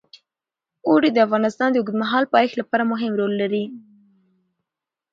اوړي د افغانستان د اوږدمهاله پایښت لپاره مهم رول لري.